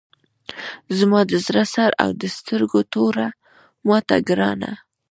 زما د زړه سر او د سترګو توره ماته ګرانه!